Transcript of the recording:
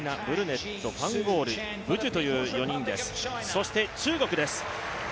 そして中国です。